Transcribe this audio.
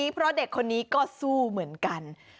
เพราะเด็กคนนี้ก็สู้เหมือนกัน